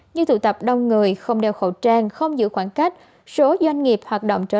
như tụ tập đông người không đeo khẩu trang không giữ khoảng cách số doanh nghiệp hoạt động trở lại